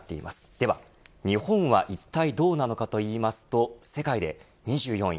では日本はいったいどうなのかといいますと、世界で２４位。